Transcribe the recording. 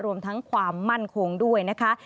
รวมทั้งความมั่นคงด้วยนะคะ